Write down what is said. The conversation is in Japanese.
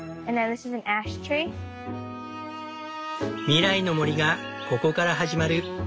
未来の森がここから始まる。